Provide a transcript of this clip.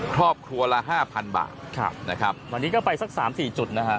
ครอบครัวละห้าพันบาทครับนะครับวันนี้ก็ไปสักสามสี่จุดนะฮะ